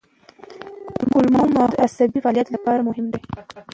کولمو محور د عصبي فعالیت لپاره مهم دی.